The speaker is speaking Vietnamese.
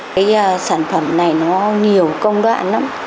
cái sản phẩm này nó nhiều công đoạn lắm